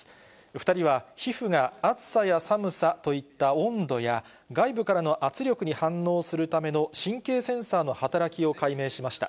２人は、皮膚が暑さや寒さといった温度や、外部からの圧力に反応するための神経センサーの働きを解明しました。